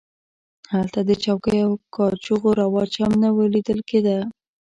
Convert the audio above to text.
هلته د چوکیو او کاچوغو رواج هم نه و لیدل کېده.